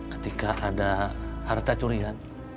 ketika ada harta curia